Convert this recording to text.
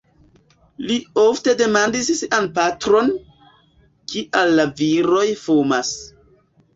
Li ofte demandis sian patron, kial la viroj fumas.